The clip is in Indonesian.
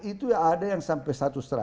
itu ada yang sampai seratus